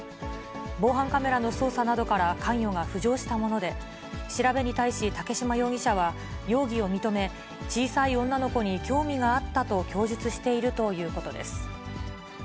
防犯カメラの捜査などから関与が浮上したもので、調べに対し竹嶋容疑者は、容疑を認め、小さい女の子に興味があったと供述しているということです。